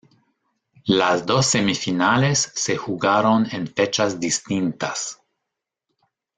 Las dos semifinales se jugaron en fechas distintas.